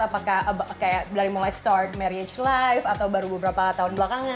apakah mulai mulai start marriage life atau baru beberapa tahun belakangan